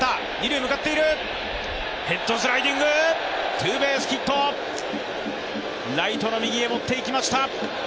ツーベースヒット、ライトの右へ持っていきました。